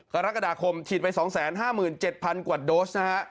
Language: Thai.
กรกฎาคมฉีดไป๒๕๗๐๐กว่าโดสนะฮะ